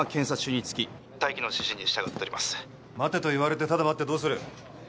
待てと言われてただ待ってどうする。